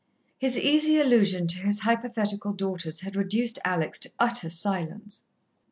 His easy allusion to his hypothetical daughters had reduced Alex to utter silence.